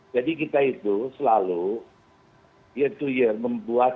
jadi kita itu selalu year to year